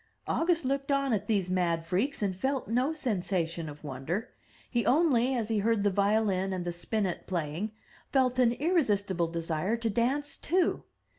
August looked on at these mad freaks and felt no sensation of wonder. He only, as he heard the violin and the spinnet playing, felt an irresistible desire to dance too.